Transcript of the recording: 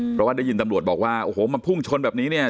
เพราะว่าได้ยินตำรวจบอกว่าโอ้โหมันพุ่งชนแบบนี้เนี่ย